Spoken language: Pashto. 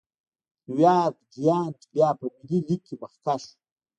نیویارک جېانټ بیا په ملي لېګ کې مخکښ و.